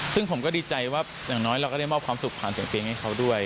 ซึ่งผมก็ดีใจว่าอย่างน้อยเราก็ได้มอบความสุขผ่านเสียงเพลงให้เขาด้วย